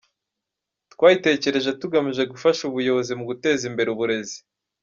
Twayitekereje tugamije gufasha ubuyobozi mu guteza imbere uburezi.